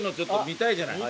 見たい！